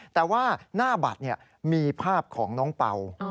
แต่ว่าหน้าบัตรมีภาพของน้องเป่า